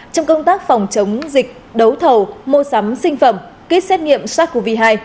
trong công tác phòng chống dịch đấu thầu mô sắm sinh phẩm kết xét nghiệm sars cov hai